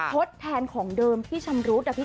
ทดแทนของเดิมที่ชำรุดอะพี่